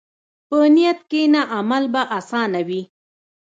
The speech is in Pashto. په نیت کښېنه، عمل به اسانه وي.